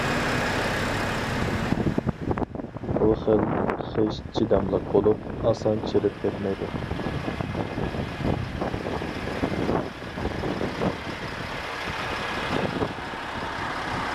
بۇ خىل خىش چىداملىق بولۇپ، ئاسان چىرىپ كەتمەيدۇ.